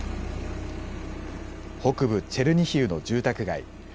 北部チェルニヒウの住宅街。